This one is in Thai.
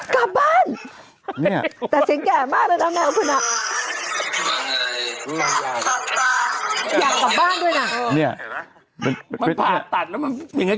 กรอลมมัน